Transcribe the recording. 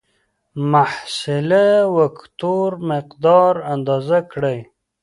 د محصله وکتور مقدار اندازه کړئ.